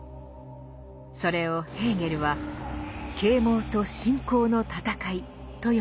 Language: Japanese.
それをヘーゲルは「啓蒙と信仰の戦い」と呼びました。